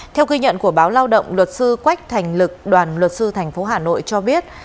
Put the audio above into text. theo ghi nhận của báo lao động luật sư quách thành lực đoàn luật sư thành phố hà nội cho biết